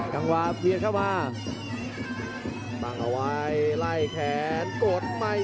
กังวาเบียนเข้ามาตั้งเอาไว้ไล่แขนโกรธใหม่